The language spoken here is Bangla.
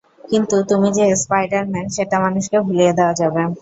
কিন্তু তুমি যে স্পাইডার-ম্যান, সেটা মানুষকে ভুলিয়ে দেয়া যাবে।